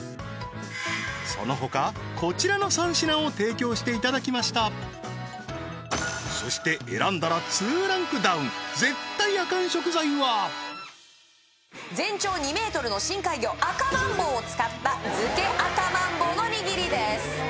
そのほかこちらの３品を提供していただきましたそして選んだら２ランクダウン絶対アカン食材はアカマンボウを使った漬けアカマンボウの握りです